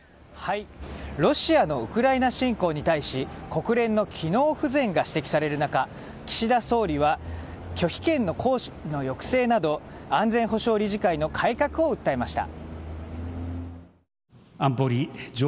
ロシアのウクライナ侵攻に対し国連の機能不全が指摘される中岸田総理は拒否権の行使の抑制など安全保障理事会の改革を訴えました。